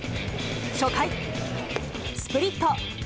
初回、スプリット。